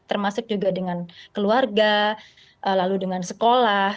termasuk juga dengan keluarga lalu dengan sekolah